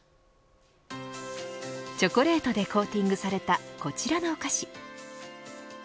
チョコレートでコーティングされたこちらのお菓子。